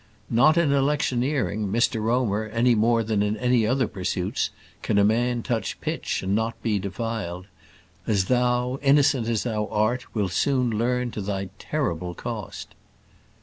Not in electioneering, Mr Romer, any more than in other pursuits, can a man touch pitch and not be defiled; as thou, innocent as thou art, wilt soon learn to thy terrible cost.